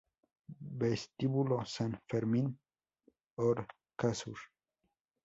Vestíbulo San Fermín-Orcasur